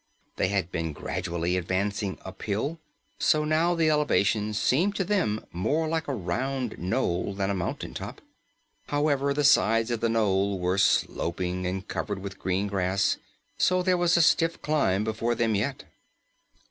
They had been gradually advancing uphill, so now the elevation seemed to them more like a round knoll than a mountaintop. However, the sides of the knoll were sloping and covered with green grass, so there was a stiff climb before them yet.